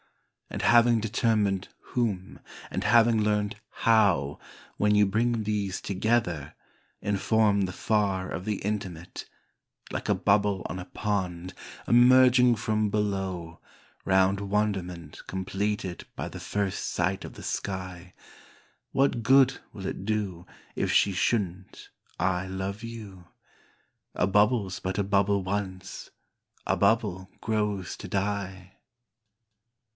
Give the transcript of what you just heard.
And having determined whom and having learned how, when you bring these together, inform the far of the intimate — like a bubble on a pond, emerging from below, round wonderment completed by the first sight of the sky — what good will it do, if she shouldn't, I love you? — a bubble's but a bubble once, a bubble grows to die.